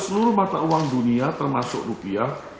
seluruh mata uang dunia termasuk rupiah